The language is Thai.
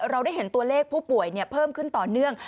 เราได้เห็นตัวเลขผู้ป่วยเพิ่มขึ้นต่อเนื่อง